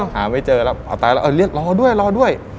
หาไม่เจอแล้วเอาตายแล้วเออเรียกรอด้วยรอด้วย